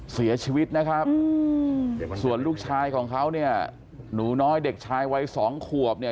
เสียชีวิตนะครับส่วนลูกชายของเขาเนี่ยหนูน้อยเด็กชายวัยสองขวบเนี่ย